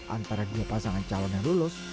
antara dua pasangan calon yang lulus